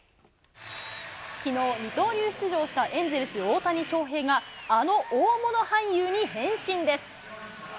きのう、二刀流出場したエンゼルス、大谷翔平が、あの大物俳優に変身です。